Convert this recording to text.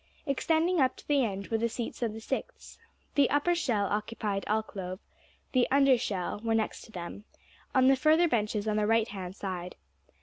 Extending up to the end were the seats of the Sixth. The "Upper Shell" occupied the alcove; the "Under Shell" were next to them, on the further benches on the right hand side.